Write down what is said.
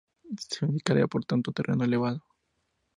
Significaría, por tanto "terreno elevado".